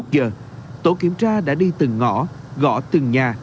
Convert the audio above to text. hai mươi một giờ tổ kiểm tra đã đi từng ngõ gõ từng nhà